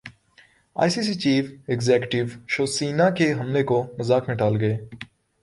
ائی C C chief executive Shiv Sena کے حملے کو مذاق میں ٹال گئے